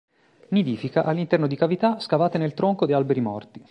Nidifica all'interno di cavità scavate nel tronco di alberi morti.